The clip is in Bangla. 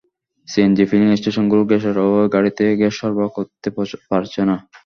সিএনজি ফিলিং স্টেশনগুলোও গ্যাসের অভাবে গাড়িতে গ্যাস সরবরাহ করতে পারছে না।